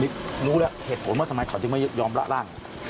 รู้แล้วเหตุผลว่าทำไมเขาถึงไม่ยอมละร่าง